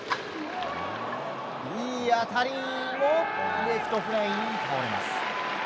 いい当たりもレフトフライに倒れます。